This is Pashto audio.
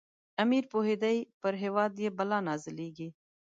امیر پوهېدی پر هیواد یې بلا نازلیږي.